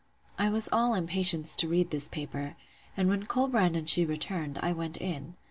I was all impatience to read this paper: and when Colbrand and she returned, I went in.